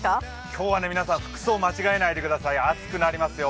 今日は皆さん、服装間違えないでください、暑くなりますよ。